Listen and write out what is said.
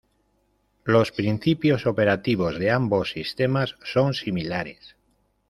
Los principios operativos de ambos sistemas son similares.